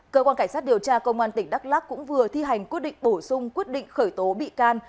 cơ quan cảnh sát điều tra công an tỉnh đắk lắc cũng vừa thi hành quyết định bổ sung quyết định khởi tố bị can